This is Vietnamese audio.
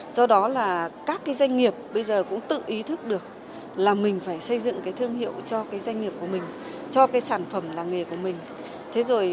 do đó các doanh nghiệp bây giờ cũng tự ý thức được là mình phải xây dựng thương hiệu cho doanh nghiệp của mình cho sản phẩm làng nghề của mình